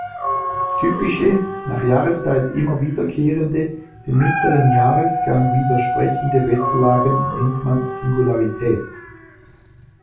Typische, nach Jahreszeit immer wiederkehrende, dem mittleren Jahresgang widersprechende Wetterlagen nennt man Singularität.